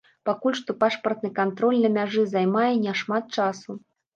Пакуль што пашпартны кантроль на мяжы займае няшмат часу.